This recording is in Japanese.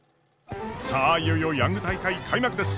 さあいよいよヤング大会開幕です！